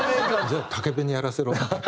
じゃあ武部にやらせろって。